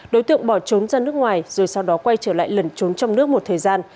đối tượng bỏ trốn ra nước ngoài rồi sau đó quay trở lại lẩn trốn trong nước một thời gian